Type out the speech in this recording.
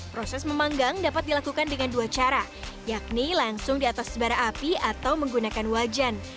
proses memanggang dapat dilakukan dengan dua cara yakni langsung di atas sebar api atau menggunakan wajan